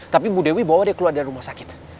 tapi bu dewi bawa dia keluar dari rumah sakit